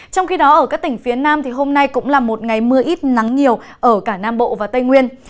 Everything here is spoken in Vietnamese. trong khi đó ở các tỉnh phía nam hôm nay cũng là một ngày mưa ít nắng nhiều ở cả nam bộ và tây nguyên